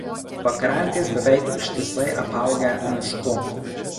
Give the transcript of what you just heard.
Pakrantės beveik ištisai apaugę mišku.